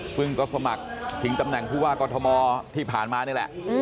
ซึ่งก็สมัครชิงตำแหน่งผู้ว่ากอทมที่ผ่านมานี่แหละ